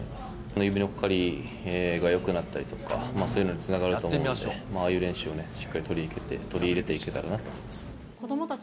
指のかかりがよくなったりとか、そういうのにつながると思うので、ああいう練習をしっかり取り入れていけたらなと思います。